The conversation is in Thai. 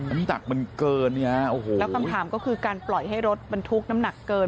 น้ำหนักมันเกินเนี่ยโอ้โหแล้วคำถามก็คือการปล่อยให้รถบรรทุกน้ำหนักเกิน